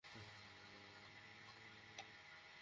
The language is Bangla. আরেকবার বলো না, তুমি আমায় ভালবাসো।